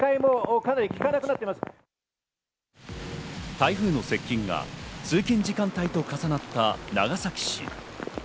台風の接近が通勤時間帯と重なった長崎市。